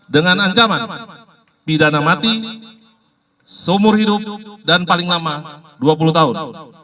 dengan ancaman pidana mati seumur hidup dan paling lama dua puluh tahun